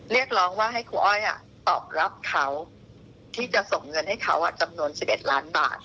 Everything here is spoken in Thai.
เรียกร้องว่าให้ครูอ้อยตอบรับเขาที่จะส่งเงินให้เขาจำนวน๑๑ล้านบาท